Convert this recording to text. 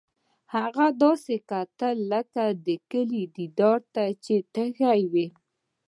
هغه داسې کتل لکه د کلي دیدار ته چې تږی وي